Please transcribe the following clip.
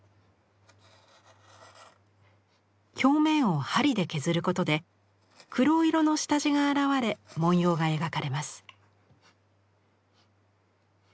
表面を針で削ることで黒色の下地が現れ文様が描かれます。